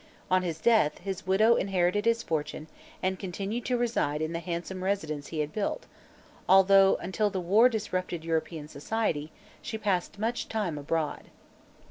On his death, his widow inherited his fortune and continued to reside in the handsome residence he had built, although, until the war disrupted European society, she passed much time abroad.